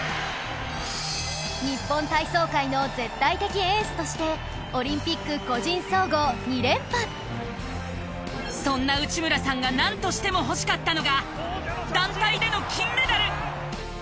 日本体操界の絶対的エースとしてオリンピックそんな内村さんがなんとしても欲しかったのが団体での金メダル。